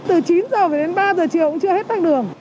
từ chín giờ đến ba giờ chiều cũng chưa hết bằng đường